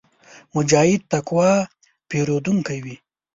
مجاهد د تقوا پېرودونکی وي.